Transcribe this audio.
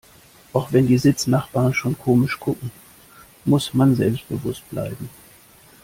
Auch wenn die Sitznachbarn schon komisch gucken, muss man selbstbewusst bleiben.